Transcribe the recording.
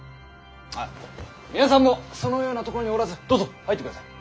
あ皆さんもそのような所におらずどうぞ入ってください。